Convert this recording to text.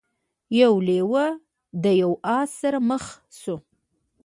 یو لیوه له یو آس سره مخ شو.